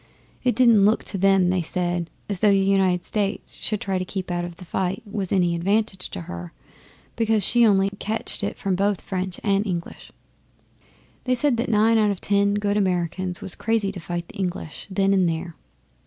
It didn't look to them, they said, as though the United States trying to keep out of the fight was any advantage to her, because she only catched it from both French and English. They said that nine out of ten good Americans was crazy to fight the English then and there.